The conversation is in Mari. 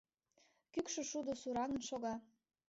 Кӱкшӧ шудо сураҥын шога.